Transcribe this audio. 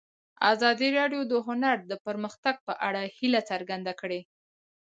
ازادي راډیو د هنر د پرمختګ په اړه هیله څرګنده کړې.